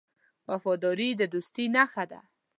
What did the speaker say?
وفاداري د دوستۍ نښه ده.